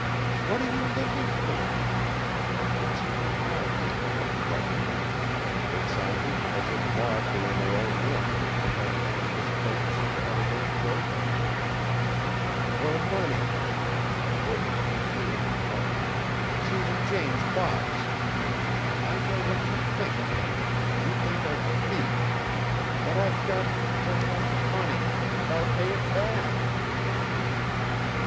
"What are you looking for?" It seemed an odd way to put the question. It sounded as if Maud were in her own room and had only misplaced some article of clothing. "Her money!" The words were clear and hard. "Susan Jane's box! I know what you think, Janet, you think I'm a thief! But I've got to have money, an' I'll pay it back!"